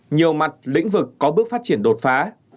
nhiều mặt lĩnh vực có bước phát triển đột phá